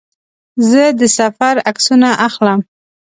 زه د سفر عکسونه اخلم.